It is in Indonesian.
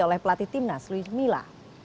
oleh pelatih timnas luis mila